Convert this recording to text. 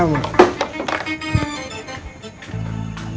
alaikum salam salam